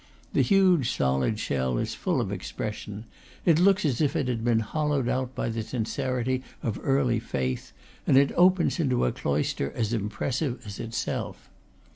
The huge solid shell is full of expression; it looks as if it had been hollowed out by the sincerity of early faith, and it opens into a cloister as impressive as itself.